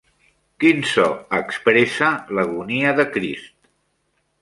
Quin so expressa l'agonia de Crist?